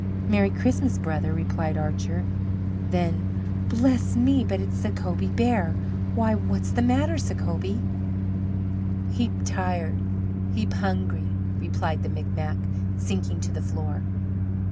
"Merry Christmas, brother!" replied Archer. Then, "Bless me, but it's Sacobie Bear! Why, what's the matter, Sacobie?" "Heap tired! Heap hungry!" replied the Micmac, sinking to the floor.